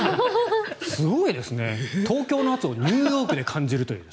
すごいですね、東京の圧をニューヨークで感じるという。